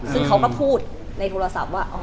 ซึ่งเขาก็พูดในโทรศัพท์ว่า